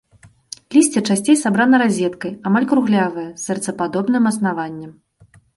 Лісце часцей сабрана разеткай, амаль круглявае, з сэрцападобным аснаваннем.